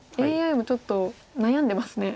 ＡＩもちょっと悩んでますね。